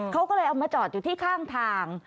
เขาก็เลยเอามาจอดอยู่ที่ข้างทาง